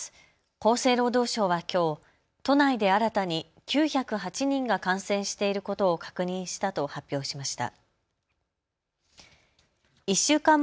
厚生労働省はきょう都内で新たに９０８人が感染していることを確認したと発表しました。